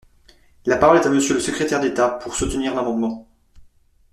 La parole est à Monsieur le secrétaire d’État, pour soutenir l’amendement.